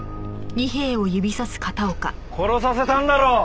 殺させたんだろ！